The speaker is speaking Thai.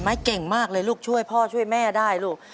เก่งมากเลยลูกช่วยพ่อช่วยแม่ได้ลูก